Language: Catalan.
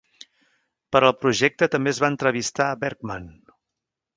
Per al projecte també es va entrevistar a Bergman.